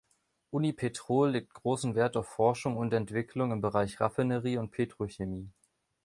Unipetrol legt großen Wert auf Forschung und Entwicklung im Bereich Raffinerie und Petrochemie.